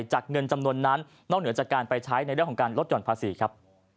เงินจำนวนนั้นนอกเหนือจากการไปใช้ในเรื่องของการลดห่อนภาษีครับ